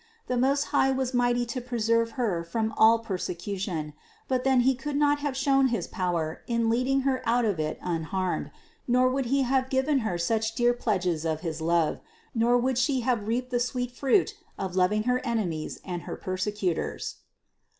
The Most High was mighty to preserve Her from all persecu tion, but then He could not have shown his power in leading Her out of it unharmed, nor would He have given Her such dear pledges of his love, nor would She 544 CITY OF GOD have reaped the sweet fruit of loving her enemies and her persecutors.